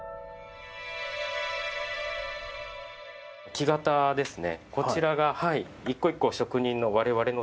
木型ですね。